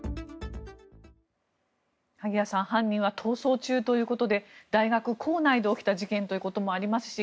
萩谷さん犯人は逃走中ということで大学構内で起きた事件ということもありますし